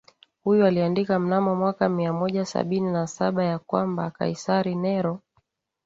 huyu aliandika mnamo mwaka mia moja sabini na saba ya kwamba Kaisari Nero